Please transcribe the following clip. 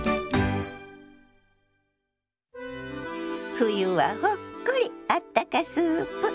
「冬はほっこりあったかスープ」。